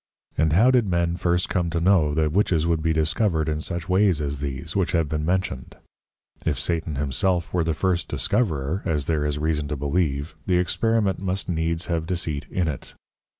And how did men first come to know that Witches would be discovered in such ways as these, which have been mentioned? If Satan himself were the first Discoverer (as there is reason to believe) the experiment must needs have deceit in it.